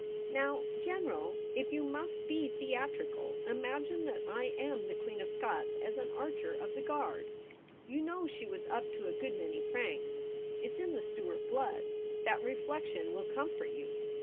' Now, General, if you must be theatrical, imagine that I am the Queen of Scots as an archer of the Guard. You know she was up to a good many pranks. It's in the Stuart blood ; that reflection will comfort you.